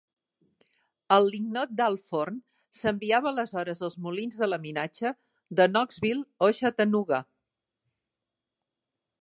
El lignot d'alt forn s'enviava aleshores als molins de laminatge de Knoxville o Chattanooga.